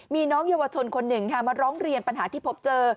มีน้องเยาวชนคนหนึ่งค่ะมาร้องเรียนปัญหาที่พบเจอ